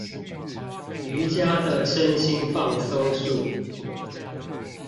瑜珈的身心放鬆術